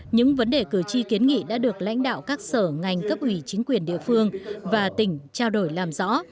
những vấn đề cử tri kiến nghị đã được lãnh đạo các sở ngành cấp ủy chính quyền địa phương và tỉnh trao đổi làm rõ